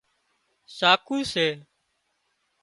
ساڪُو سي